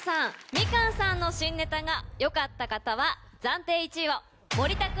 みかんさんの新ネタがよかった方は暫定１位をモリタク！